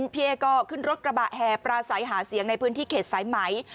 พี่เอ๊ก็ขึ้นรถกระบะแห่ปราศัยหาเสียงในพื้นที่เขตสายไหม